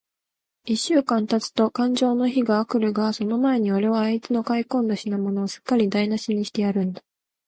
一週間たつとかんじょうの日が来るが、その前に、おれはあいつの買い込んだ品物を、すっかりだいなしにしてやるんだ。